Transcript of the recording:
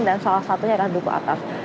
dan salah satunya adalah duku atas